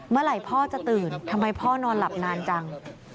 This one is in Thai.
เมื่อไหร่พ่อจะตื่นทำไมพ่อนอนหลับนานจัง